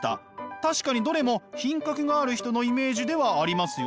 確かにどれも品格がある人のイメージではありますよね。